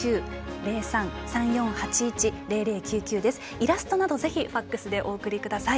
イラストなどはぜひＦＡＸでお送りください。